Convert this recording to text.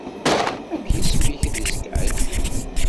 Amek isem-ik deg Skype?